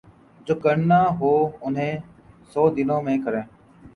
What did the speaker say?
جو کرنا ہو انہی سو دنوں میں کریں۔